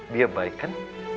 dia baik kan